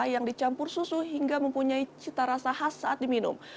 yang dicampur susu hingga mempunyai cita rasa khas saat diminum